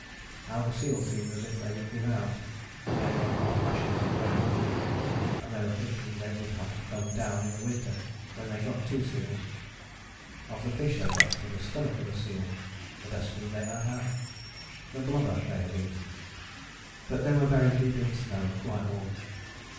How the seal seemed as if they would give out, and they were on half rations and very hungry: and they were thinking they would have to come down in the winter, when they got two seals: of the fish they got from the stomach of a seal "the best feed they had" the blubber they have eaten. But they were buried deep in the snow and quite warm.